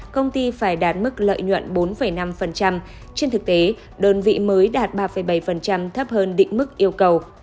công ty phải đạt mức lợi nhuận bốn năm trên thực tế đơn vị mới đạt ba bảy thấp hơn định mức yêu cầu